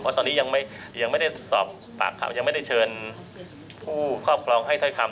ตอนนี้ยังไม่ได้สอบปากคำยังไม่ได้เชิญผู้ครอบครองให้ถ้อยคำ